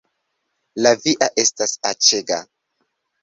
La via estas aĉega